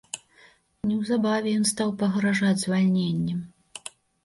Неўзабаве ён стаў пагражаць звальненнем.